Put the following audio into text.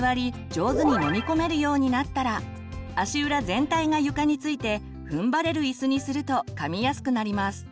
上手に飲み込めるようになったら足裏全体が床についてふんばれる椅子にするとかみやすくなります。